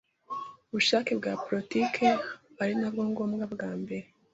ubushake bwa politike ari nabwo ngo bwa mbere